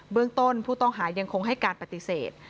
เรื่องต้นผู้ต้องหายังคงให้การปฏิเสธ